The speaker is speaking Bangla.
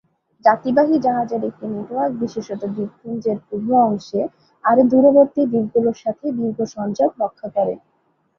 যাত্রীবাহী জাহাজের একটি নেটওয়ার্ক বিশেষত দ্বীপপুঞ্জের পূর্ব অংশে আরও দূরবর্তী দ্বীপগুলির সাথে দীর্ঘ সংযোগ রক্ষা করে।